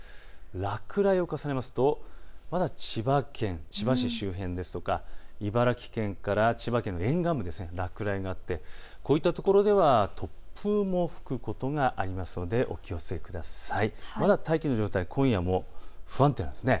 落雷を重ねますと、まだ千葉県千葉市周辺ですとか茨城県から千葉県沿岸部、落雷があってこういった所では突風も吹くことがありますのでお気をつけください。